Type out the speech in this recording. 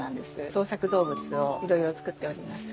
創作動物をいろいろ作っております。